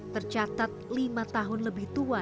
tercatat lima tahun lebih tua